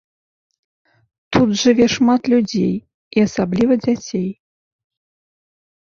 Тут жыве шмат людзей і асабліва дзяцей.